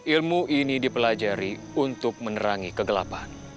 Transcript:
ilmu ini dipelajari untuk menerangi kegelapan